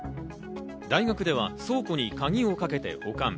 大学では倉庫に鍵をかけて保管。